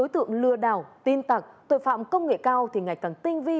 tội phạm công nghệ cao thì ngày càng tinh vi